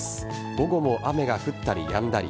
午後も雨が降ったりやんだり。